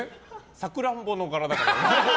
サクランボの柄だから。